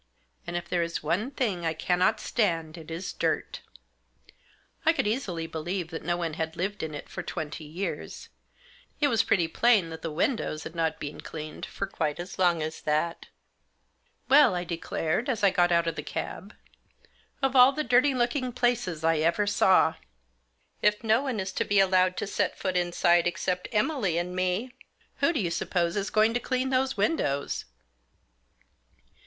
And if there is one thing I cannot stand it is dirt. I could easily believe that no one had lived in it for twenty years ; it was pretty plain that the windows had not been cleaned for quite as long as that. " Well," I declared as I got out of the cab, " of all the dirty looking places I ever saw ! If no one is to be allowed to set foot inside except Emily and me, who do you suppose is going to clean those windows